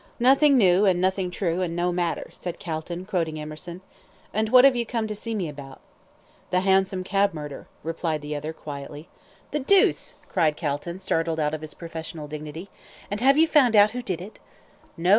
"Nothing new, and nothing true, and no matter," said Calton, quoting Emerson. "And what have you come to see me about?" "The Hansom Cab Murder," replied the other quietly. "The deuce!" cried Calton, startled out of his professional dignity. "And have you found out who did it?" "No!"